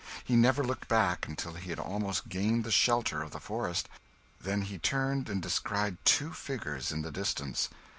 He never looked back until he had almost gained the shelter of the forest; then he turned and descried two figures in the distance.